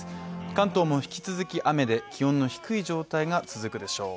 関東も引き続き雨で、気温の低い状態が続くでしょう。